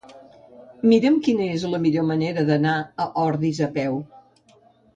Mira'm quina és la millor manera d'anar a Ordis a peu.